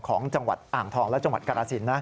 ของจังหวัดอ่างทองและจังหวัดกรสินนะ